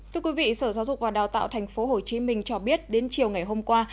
thưa quý vị sở giáo dục và đào tạo tp hcm cho biết đến chiều ngày hôm qua